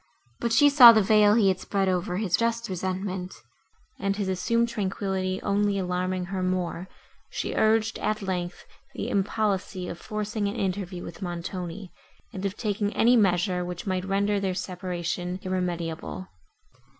But she saw the veil he had spread over his resentment, and, his assumed tranquillity only alarming her more, she urged, at length, the impolicy of forcing an interview with Montoni, and of taking any measure, which might render their separation irremediable.